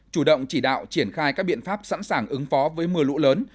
chủ động chỉ đạo triển khai các biện pháp sẵn sàng ứng phó với mưa lũ lớn